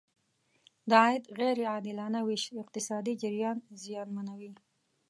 د عاید غیر عادلانه ویش اقتصادي جریان زیانمنوي.